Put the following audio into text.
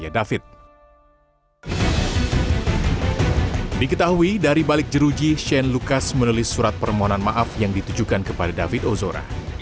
diketahui dari balik jeruji shane lucas menulis surat permohonan maaf yang ditujukan kepada david ozora